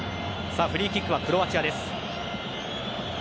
さあ、フリーキックはクロアチア。